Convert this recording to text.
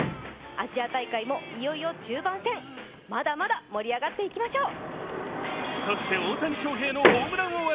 アジア大会もいよいよ中盤戦、まだまだ盛り上がっていきましょう。